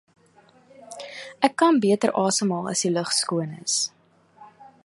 Ek kan beter asemhaal as die lug skoon is.